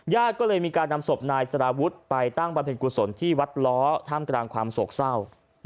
ก็เลยมีการนำศพนายสารวุฒิไปตั้งบำเพ็ญกุศลที่วัดล้อท่ามกลางความโศกเศร้า